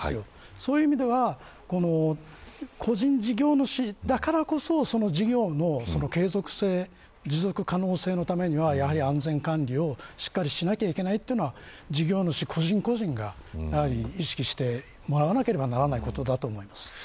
そういう意味では個人事業主だからこそその事業の継続性持続可能性のためにはやはり安全管理をしっかりしなきゃいけないというのは事業主、個人個人が意識してもらわなければならないことだと思います。